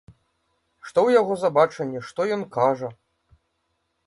Што ў яго за бачанне, што ён кажа.